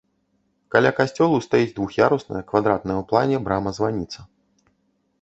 Каля касцёлу стаіць двух'ярусная квадратная ў плане брама-званіца.